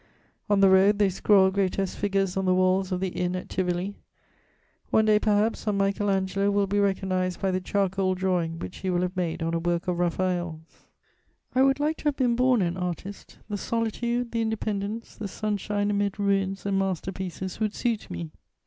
On the road, they scrawl grotesque figures on the walls of the inn at Tivoli. One day, perhaps, some Michael Angelo will be recognised by the charcoal drawing which he will have made on a work of Raphael's. I would like to have been born an artist: the solitude, the independence, the sunshine amid ruins and master pieces would suit me.